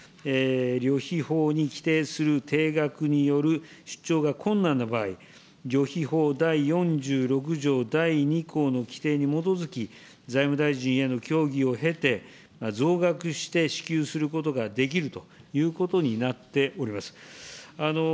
旅費法に規定する定額による出張が困難な場合、旅費法第４６条第２項の規定に基づき、財務大臣への協議を経て、増額して支給することができるということになっております。